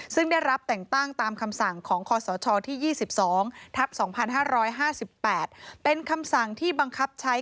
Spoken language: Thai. ซึ่งได้รับแต่งตั้งตามคำสั่งของคศที่๒๒ทับ๒๕๕๘เป็นคำสั่งที่บังคับใช้